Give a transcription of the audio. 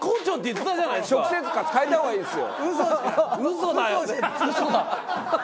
食生活変えた方がいいですよ。